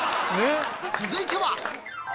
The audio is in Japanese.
［続いては］